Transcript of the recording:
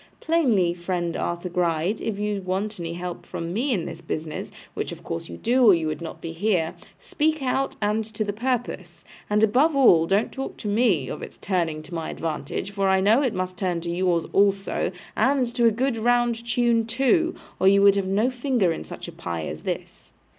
Plainly, friend Arthur Gride, if you want any help from me in this business (which of course you do, or you would not be here), speak out, and to the purpose. And, above all, don't talk to me of its turning to my advantage, for I know it must turn to yours also, and to a good round tune too, or you would have no finger in such a pie as this.